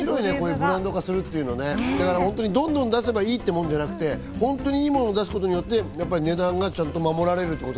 ブランド化するっていうのはどんどん出せばいいってもんじゃなくて、本当にいいものを出すことによって値段がちゃんと守られるってこと。